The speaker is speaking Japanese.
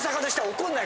怒んない。